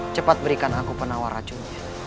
cepat berikan aku penawar racun